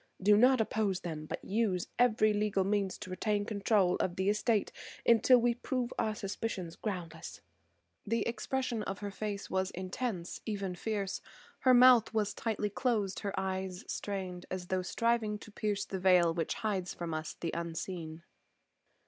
Do not oppose them, but use every legal means to retain control of the estate until we prove our suspicions groundless." The expression of her face was intense, even fierce; her mouth was tightly closed, her eyes strained as though striving to pierce the veil which hides from us the unseen.